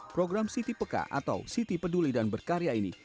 program siti peka atau siti peduli dan berkarya ini